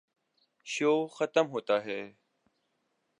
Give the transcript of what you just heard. شو ختم ہوتا ہے۔